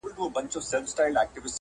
که حاجت یې قرباني زما د تن شي